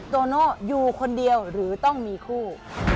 โตโน่อยู่คนเดียวหรือต้องมีคู่